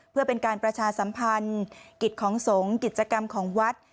เพื่อเป็นการประชาสัมพันธ์กิจของสงฆ์กิจกรรมของวัด